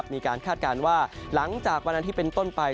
มีการคาดการณ์ว่าหลังจากวันนั้นที่เป็นต้นภัย